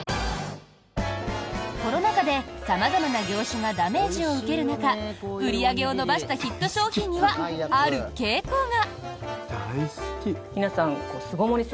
コロナ禍で様々な業種がダメージを受ける中売り上げを伸ばしたヒット商品には、ある傾向が。